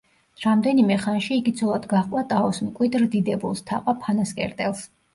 რამდენიმე ხანში იგი ცოლად გაჰყვა ტაოს მკვიდრ დიდებულს, თაყა ფანასკერტელს.